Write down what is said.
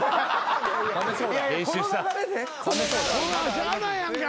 しゃあないやんか。